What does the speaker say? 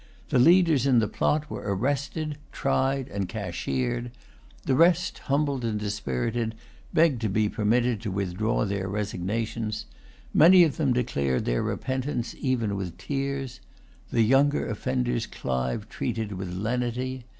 The leaders in the plot were arrested, tried, and cashiered. The rest, humbled and dispirited, begged to be permitted to withdraw their resignations. Many of them declared their repentance even with tears. The younger offenders Clive treated with lenity.